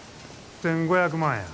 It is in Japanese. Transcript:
１，５００万や。